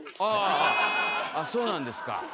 そうなんですか。